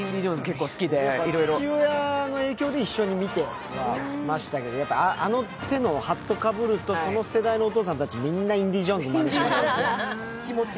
結構好きで父親の影響で一緒に見てましたけど、あの手のハットをかぶると、その世代のお父さんたちみんなインディ・ジョーンズのまねしましたね。